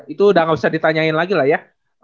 itu udah gak usah ditanyain lagi lah ya